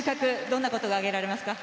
どんなことが挙げられますか？